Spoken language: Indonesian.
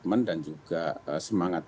komitmen dan juga semangat